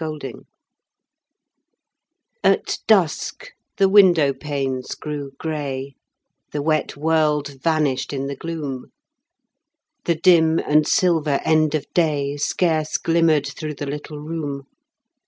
FORGIVENESS At dusk the window panes grew grey; The wet world vanished in the gloom; The dim and silver end of day Scarce glimmered through the little room.